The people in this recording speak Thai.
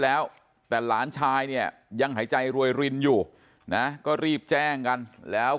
แล้วแต่หลานชายเนี่ยยังหายใจรวยรินอยู่นะก็รีบแจ้งกันแล้ว